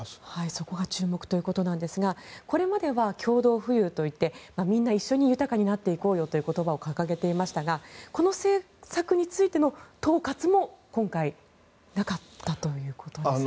そこが注目ということなんですがこれまでは共同富裕といってみんな一緒に豊かになっていこうよという言葉を掲げていましたがこの政策についての統括も今回なかったということですよね。